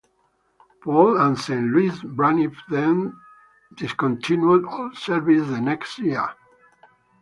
Paul and Saint Louis; Braniff then discontinued all service the next year.